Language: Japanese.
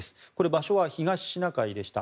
場所は東シナ海でした。